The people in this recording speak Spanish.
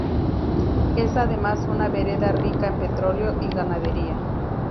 Es además una vereda rica en petróleo y ganadería.